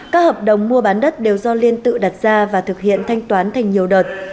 các hợp đồng mua bán đất đều do liên tự đặt ra và thực hiện thanh toán thành nhiều đợt